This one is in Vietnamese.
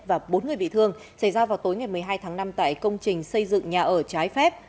và bốn người bị thương xảy ra vào tối ngày một mươi hai tháng năm tại công trình xây dựng nhà ở trái phép